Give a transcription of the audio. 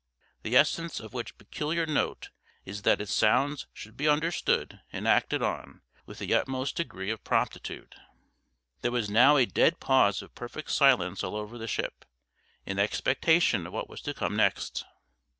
the essence of which peculiar note is that its sounds should be understood and acted on with the utmost degree of promptitude. There was now a dead pause of perfect silence all over the ship, in expectation of what was to come next.